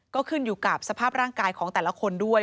ก็ขึ้นอยู่กับสภาพร่างกายของแต่ละคนด้วย